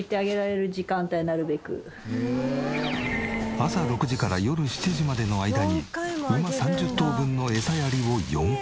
朝６時から夜７時までの間に馬３０頭分のエサやりを４回。